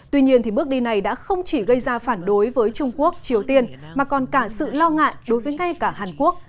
tuy nhiên bước đi này đã không chỉ gây ra phản đối với trung quốc triều tiên mà còn cả sự lo ngại đối với ngay cả hàn quốc